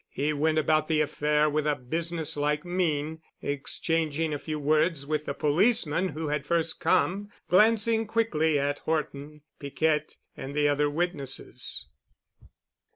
He went about the affair with a business like mien, exchanging a few words with the policeman who had first come, glancing quickly at Horton, Piquette, and the other witnesses.